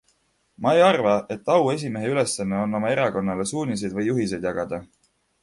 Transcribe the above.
Ma ei arva, et auesimehe ülesanne on oma erakonnale suuniseid või juhiseid jagada.